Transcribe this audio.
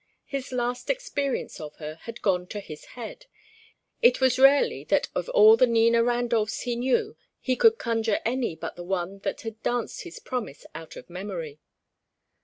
His last experience of her had gone to his head: it was rarely that of all the Nina Randolphs he knew he could conjure any but the one that had danced his promise out of memory.